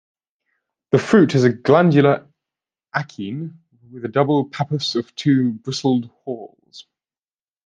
The fruit is a glandular achene with a double pappus of two bristled whorls.